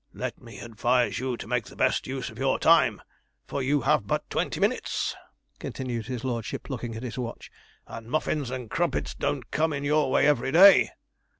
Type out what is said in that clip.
Let me advise you to make the best use of your time, for you have but twenty minutes,' continued his lordship, looking at his watch, 'and muffins and crumpets don't come in your way every day.'